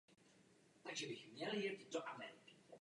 Z televize odešel definitivně o rok později.